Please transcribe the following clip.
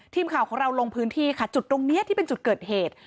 ทีมข่าวของเราลงพื้นที่ค่ะจุดตรงนี้ที่เป็นจุดเกิดเหตุ